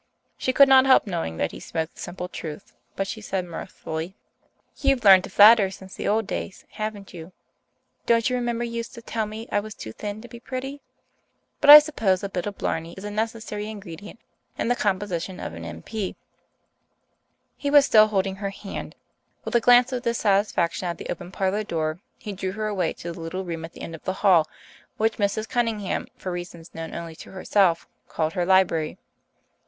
She could not help knowing that he spoke the simple truth, but she said mirthfully, "You've learned to flatter since the old days, haven't you? Don't you remember you used to tell me I was too thin to be pretty? But I suppose a bit of blarney is a necessary ingredient in the composition of an M.P." He was still holding her hand. With a glance of dissatisfaction at the open parlour door, he drew her away to the little room at the end of the hall, which Mrs. Cunningham, for reasons known only to herself, called her library.